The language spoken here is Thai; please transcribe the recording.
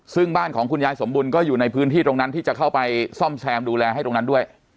ซึ่งบ้านของคุณยายสมบุญก็อยู่ในพื้นที่ตรงนั้นที่จะเข้าไปซ่อมแซมดูแลให้ตรงนั้นด้วย